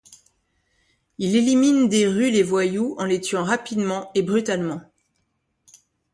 Il élimine des rues les voyous en les tuant rapidement et brutalement.